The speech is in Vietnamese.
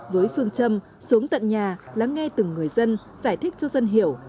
với phương châm xuống tận nhà lắng nghe từng người dân giải thích cho dân hiểu